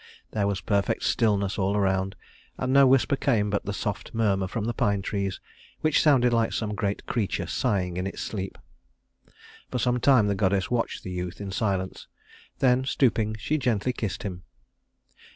There was perfect stillness all around, and no whisper came but the soft murmur from the pine trees, which sounded like some great creature sighing in its sleep. For some time the goddess watched the youth in silence, then, stooping, she gently kissed him.